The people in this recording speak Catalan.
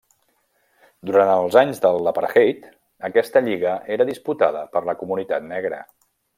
Durant els anys de l'apartheid aquesta lliga era disputada per la comunitat negra.